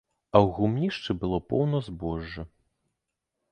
А ў гумнішчы было поўна збожжа.